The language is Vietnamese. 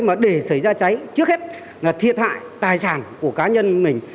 mà để xảy ra cháy trước hết là thiệt hại tài sản của cá nhân mình